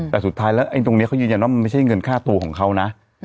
แต่สุดท้ายแล้วตรงนี้เขายืนยันว่ามันไม่ใช่เงินค่าตัวของเขานะ